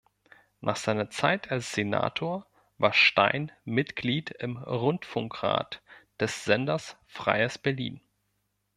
Nach seiner Zeit als Senator war Stein Mitglied im Rundfunkrat des Senders Freies Berlin.